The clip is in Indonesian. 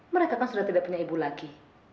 mereka kan sudah tidak punya ibu lagi